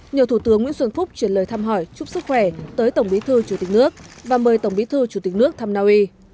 nhờ thủ tướng nguyễn xuân phúc chuyển lời thăm hỏi chúc sức khỏe tới tổng bí thư chủ tịch nước và mời tổng bí thư chủ tịch nước thăm naui